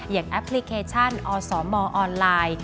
แอปพลิเคชันอสมออนไลน์